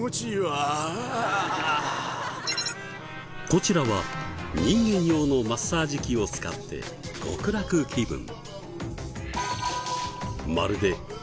こちらは人間用のマッサージ機を使って極楽気分。